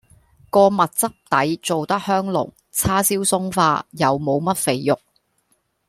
個蜜汁底做得香濃，叉燒鬆化，又無乜肥肉